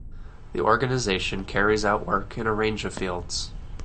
The organization carries out work in a range of fields.